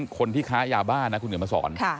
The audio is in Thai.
คนที่ค้ายาบ้านนะคุณเดี๋ยวมาสอน